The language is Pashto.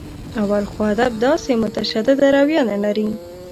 اول خو ادب داسې متشدده رویه نه لري.